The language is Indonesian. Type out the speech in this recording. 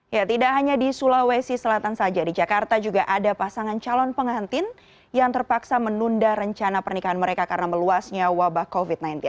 ya tidak hanya di sulawesi selatan saja di jakarta juga ada pasangan calon pengantin yang terpaksa menunda rencana pernikahan mereka karena meluasnya wabah covid sembilan belas